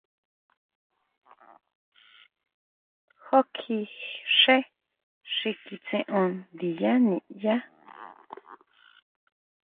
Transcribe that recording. ¿Júkji xé xi kitseon ndiyá niʼyaá?